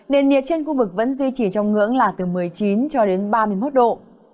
nền nhiệt trên khu vực vẫn duy trì trong ngưỡng là từ một mươi chín cho đến ba mươi một độ